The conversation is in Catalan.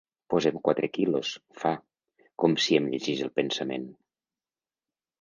Posem quatre quilos —fa, com si em llegís el pensament.